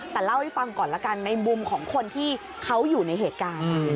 แต่เล่าให้ฟังก่อนละกันในมุมของคนที่เขาอยู่ในเหตุการณ์